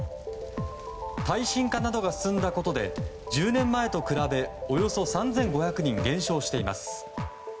耐震化などが進んだことで１０年前と比べおよそ３５００人減少しています。